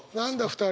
２人。